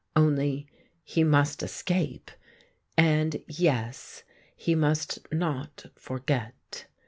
Only, he must escape. And — yes — he must not forget.